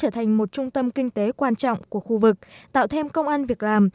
thành một trung tâm kinh tế quan trọng của khu vực tạo thêm công ăn việc làm